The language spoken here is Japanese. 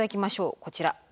こちら。